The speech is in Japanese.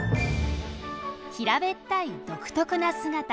平べったい独特な姿。